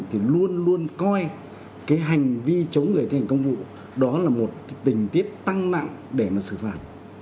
thì luôn luôn coi cái hành vi chống người thi hành công vụ đó là một tình tiết tăng nặng để mà xử phạt